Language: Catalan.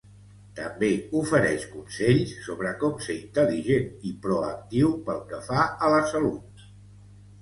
També ofereix consells sobre com ser intel·ligent i proactiu pel que fa a la salut.